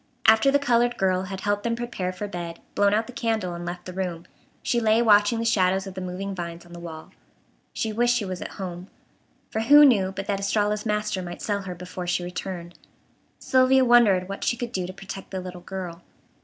After the colored girl had helped them prepare for bed, blown out the candle, and left the room, she lay watching the shadows of the moving vines on the wall. She wished she was at home, for who knew but that Estralla's master might sell her before she returned. Sylvia wondered what she could do to protect the little girl.